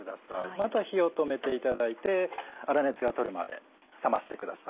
あとは火を止めていただいて粗熱が取れるまで冷ましてください。